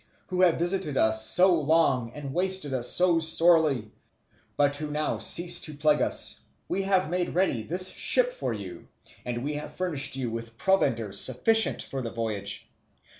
who have visited us so long and wasted us so sorely, but who now cease to plague us, we have made ready this ship for you, and we have furnished you with provender sufficient for the voyage.